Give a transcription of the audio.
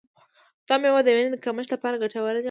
دا میوه د وینې کمښت لپاره ګټوره ده.